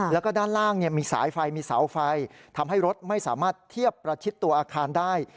แล้วก็ด้านล่างมีสายไฟมีเสาไฟทำให้รถไม่สามารถเทียบประชิดตัวอาคารได้